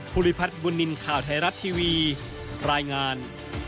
ภูริพัฒน์บุญนินทร์ข่าวไทยรัฐทีวีรายงาน